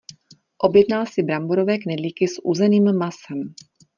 Objednal si bramborové knedlíky s uzeným masem.